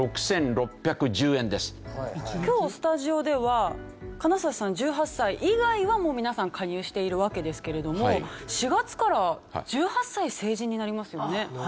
今日スタジオでは金指さん１８歳以外はもう皆さん加入しているわけですけれども４月から１８歳成人になりますよね。